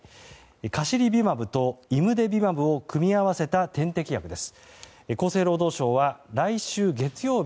カシリビマブとイムデビマブを組み合わせた点滴薬です。